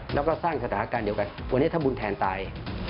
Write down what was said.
แล้วก็สร้างสถานการณ์เดียวกันวันนี้ถ้าบุญแทนตาย